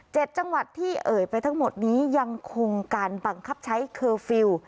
จังหวัดที่เอ่ยไปทั้งหมดนี้ยังคงการบังคับใช้เคอร์ฟิลล์